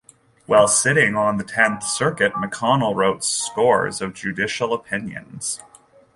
While sitting on the Tenth Circuit, McConnell wrote scores of judicial opinions.